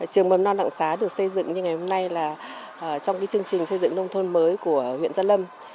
trường mầm non đặng xá được xây dựng như ngày hôm nay là trong chương trình xây dựng nông thôn mới của huyện gia lâm